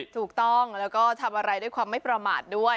ถูกต้องแล้วก็ทำอะไรด้วยความไม่ประมาทด้วย